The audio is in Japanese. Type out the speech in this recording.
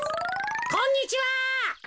こんにちは！